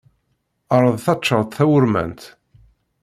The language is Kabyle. Ɛṛeḍ taččart tawurmant.